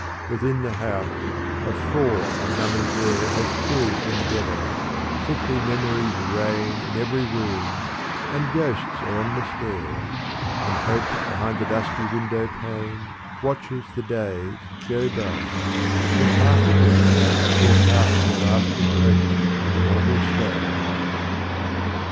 Within the house a frore and numbing air Has chilled endeavour : sickly memories reign In every room and ghosts are on the stair : And hope behind the dusty window pane Watches the days go by, and half aware Forecasts her last reproach and mortal stain.